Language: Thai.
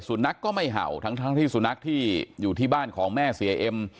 นักก็ไม่เห่าทั้งที่สุนัขที่อยู่ที่บ้านของแม่เสียเอ็ม